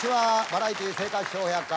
「バラエティー生活笑百科」